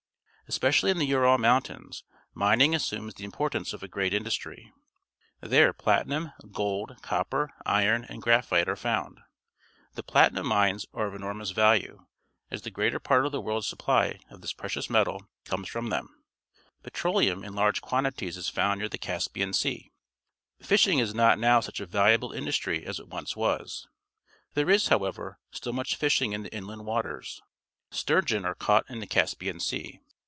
Especially in the Ural Mountains, ininiag assumes the importance of a great industry. There pl atinum, j:old. co pper, iron, and graph ite are found. The The Kremlin (Citadel), Moscow The Kremlin contains some magnificent public buildings. pjntiniip i mines are of enormous value, as the greater part of the world's supply of this pre cious metal comes from them. Petroleum in large quantities is found near the Caspian Sea. Fishing is not now such a valuable industry as it once was. There is, however, still much fisliing in the inland waters. Sturgeon are caught in the Caspian Sea.